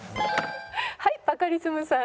はいバカリズムさん。